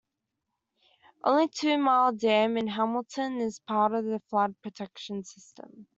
Only Two-mile Dam in Hamilton is part of the flood protection system.